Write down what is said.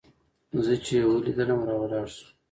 زه چې يې وليدلم راولاړ سو.